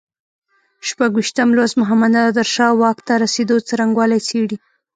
شپږویشتم لوست محمد نادر شاه واک ته رسېدو څرنګوالی څېړي.